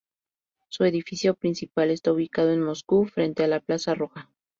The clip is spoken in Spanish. Su edificio principal está ubicado en Moscú frente a la Plaza Roja.